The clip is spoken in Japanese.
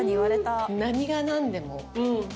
何が何でも。